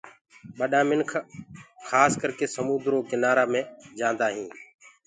ٻڏآ مينک اڪسر سموندرو ڪو ڪنآرآ مي جآندآ هينٚ۔